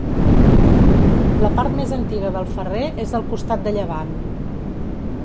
La part més antiga del Ferrer és al costat de llevant.